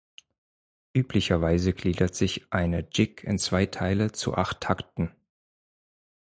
Üblicherweise gliedert sich eine Jig in zwei Teile zu acht Takten.